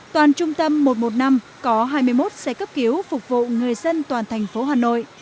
toàn trung tâm một trăm một mươi năm có hai mươi một xe cấp cứu phục vụ người dân toàn thành phố hà nội